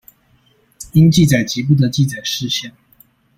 應記載及不得記載事項